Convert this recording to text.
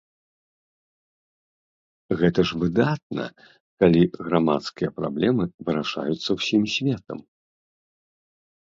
Гэта ж выдатна, калі грамадскія праблемы вырашаюцца ўсім светам!